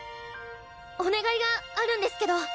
お願いがあるんですけど。